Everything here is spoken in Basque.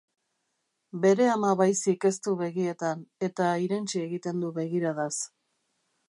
Bere ama baizik ez du begietan, eta irentsi egiten du begiradaz.